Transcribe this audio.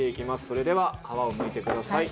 それでは皮をむいてください。